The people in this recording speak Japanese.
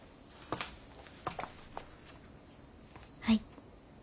はい。